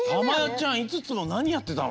ちゃん５つもなにやってたの？